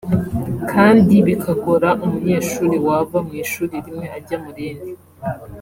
kandi bikagora umunyeshuri wava mu ishuri rimwe ajya mu rindi